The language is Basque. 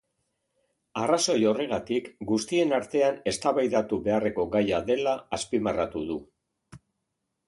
Arrazoi horregatik, guztien artean eztabaidatu beharreko gaia dela azpimarratu du.